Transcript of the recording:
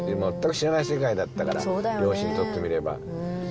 全く知らない世界だったから両親にとってみれば。